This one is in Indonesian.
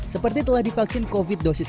seperti telah divaksin covid dosis